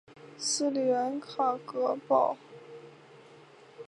斯里兰卡隔保克海峡和印度相望。